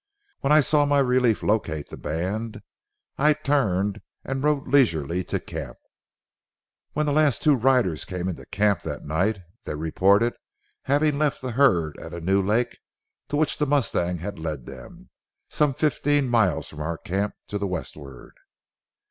When I saw my relief locate the band, I turned and rode leisurely to camp. When the last two riders came into camp that night, they reported having left the herd at a new lake, to which the mustang had led them, some fifteen miles from our camp to the westward.